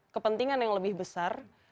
kepentingan yang lebih besar